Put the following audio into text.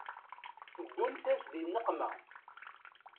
Teddunt-as di nneqma